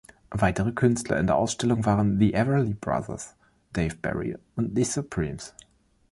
Weitere Künstler in der Ausstellung waren The Everly Brothers, Dave Berry und The Supremes.